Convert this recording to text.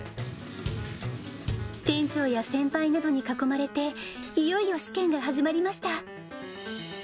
店長や先輩などに囲まれて、いよいよ試験が始まりました。